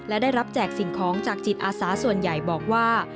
และได้รับแจกสิ่งของจากจิตอาสาส่วนใหญ่บอกว่า